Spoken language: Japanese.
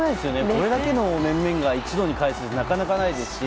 これだけの面々が一堂に会するってなかなかないですし。